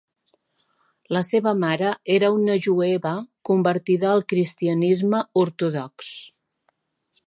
La seva mare era una jueva convertida al cristianisme ortodox.